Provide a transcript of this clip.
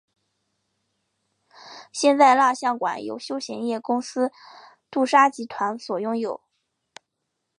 现在蜡像馆由休闲业公司杜莎集团所拥有。